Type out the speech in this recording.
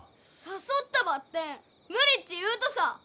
誘ったばってん無理っち言うとさ。